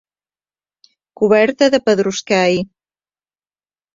Coberta de pedruscall.